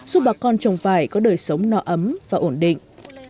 giúp bà con trồng vải có đời sống nọ ấm và ổn định